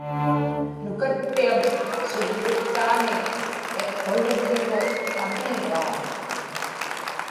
nukatpiam siksriktaani iqqulivḷugu amiiġaa